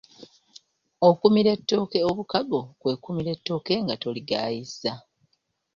Okumira ettooke obukago, kwe kumira ettooke nga toligayizza.